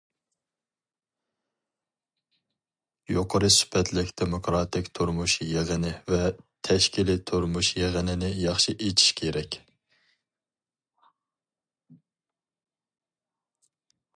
يۇقىرى سۈپەتلىك دېموكراتىك تۇرمۇش يىغىنى ۋە تەشكىلىي تۇرمۇش يىغىنىنى ياخشى ئېچىش كېرەك.